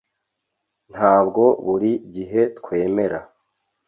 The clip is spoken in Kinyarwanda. ntabwo buri gihe twemera